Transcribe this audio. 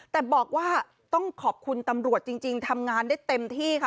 แต่บอกว่าต้องขอบคุณตำรวจจริงทำงานได้เต็มที่ค่ะ